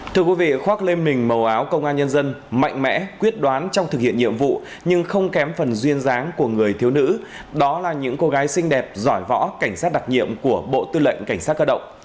thưa quý vị khoác lên mình màu áo công an nhân dân mạnh mẽ quyết đoán trong thực hiện nhiệm vụ nhưng không kém phần duyên dáng của người thiếu nữ đó là những cô gái xinh đẹp giỏi võ cảnh sát đặc nhiệm của bộ tư lệnh cảnh sát cơ động